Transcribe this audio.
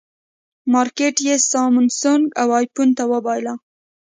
مارکېټ یې سامسونګ او ایفون ته وبایله.